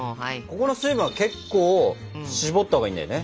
ここの水分は結構絞ったほうがいいんだよね。